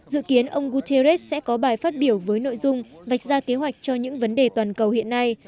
dự kiến ông guterres sẽ có bài phát biểu với nội dung vạch ra kế hoạch cho những vấn đề toàn cầu hiện nay